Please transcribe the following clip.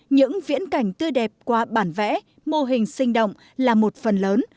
những viễn cảnh tươi đẹp qua bản vẽ mô hình sinh động là một phần lớn